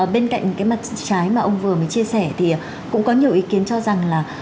bên cạnh những cái mặt trái mà ông vừa mới chia sẻ thì cũng có nhiều ý kiến cho rằng là